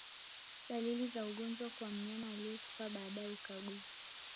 Dalili za ugonjwa kwa mnyama aliyekufa baada ya ukaguzi